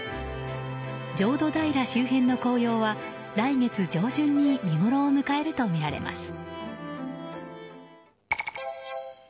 浄土平周辺の紅葉は来月上旬に見ごろを迎えるとみられます。